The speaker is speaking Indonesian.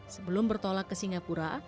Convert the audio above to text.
sebelum bertolak ke singapura